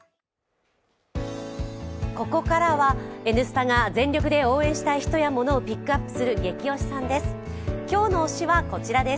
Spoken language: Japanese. ここからは「Ｎスタ」が全力で応援したい人やものをピックアップするゲキ推しさんです。